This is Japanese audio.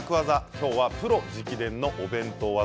今日はプロ直伝のお弁当技